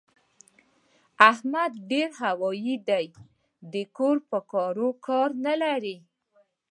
احمد ډېر هوايي دی؛ د کور په کارو کار نه لري.